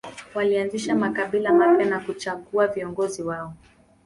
Walianzisha makabila mapya na kuchagua viongozi wao.